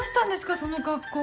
その格好。